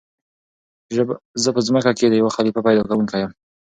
"زه په ځمكه كښي د يو خليفه پيدا كوونكى يم!"